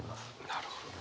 なるほど。